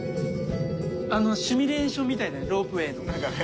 あのシミュレーションみたいだねロープウェイの。